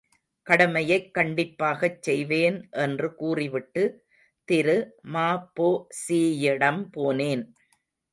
கடமையைக் கண்டிப்பாகச் செய்வேன் என்று கூறிவிட்டு, திரு ம.பொ.சி.யிடம் போனேன்.